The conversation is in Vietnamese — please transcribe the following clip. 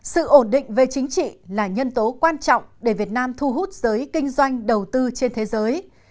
sự ổn định về chính trị là nhân tố quan trọng để việt nam thu hút giới kinh doanh đầu tư trên thế giới